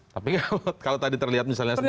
tapi kalau tadi terlihat misalnya sendiri